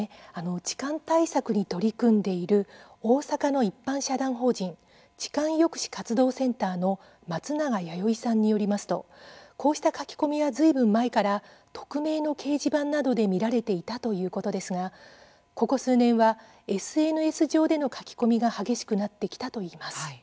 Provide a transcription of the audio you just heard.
痴漢対策に取り組んでいる大阪の一般社団法人痴漢抑止活動センターの松永弥生さんによりますとこうした書き込みはずいぶん前から匿名の掲示板などで見られていたということですがここ数年はＳＮＳ上での書き込みが激しくなってきたといいます。